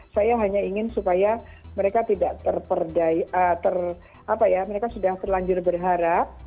saya hanya ingin supaya mereka tidak terperdaya apa ya mereka sudah terlanjur berharap